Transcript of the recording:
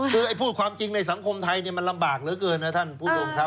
คือพูดความจริงในสังคมไทยมันลำบากเหลือเกินนะท่านผู้ชมครับ